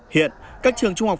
hiện các trường trung học